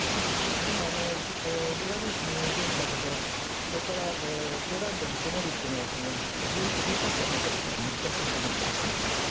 今、ベラルーシにいるんだけどこれからポーランドに攻めるというのは重火器がないから難しいと思うんですよね。